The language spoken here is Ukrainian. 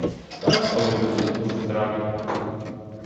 Так, стало буть, сестра?